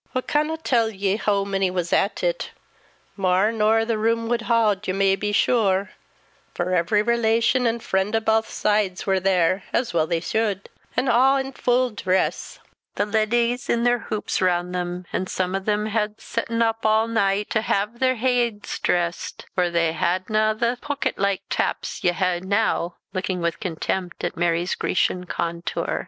I canna tell ye hoo mony was at it; mair nor the room wad haud, ye may be sure, for every relation an' freend o' baith sides war there, as well they sude; an' aw in full dress: the leddies in their hoops round them, an' some o' them had sutten up aw night till hae their heeds drest; for they hadnae thae pooket like taps ye hae noo," looking with contempt at Mary's Grecian contour.